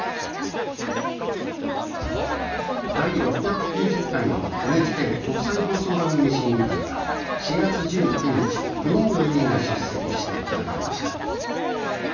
第６９０回のＮＨＫ国際放送番組審議会は４月１９日９人の委員が出席して開かれました。